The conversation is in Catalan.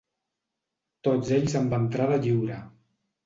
Tots ells amb entrada lliure.